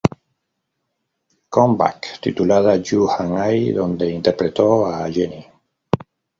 Come Back", titulada "You and I", donde interpretó a Janie.